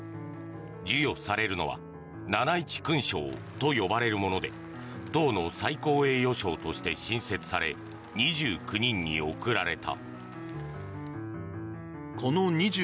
授与されるのは七一勲章と呼ばれるもので党の最高栄誉賞として新設され２９人に贈られた。